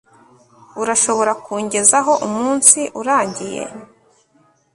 Urashobora kungezaho umunsi urangiye